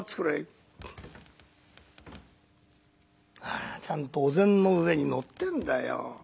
「あちゃんとお膳の上にのってんだよ。